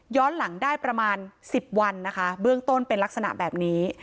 หลังได้ประมาณ๑๐วันนะคะเบื้องต้นเป็นลักษณะแบบนี้